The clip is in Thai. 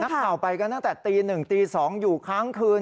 นักข่าวไปกันตั้งแต่ตี๑ตี๒อยู่ค้างคืน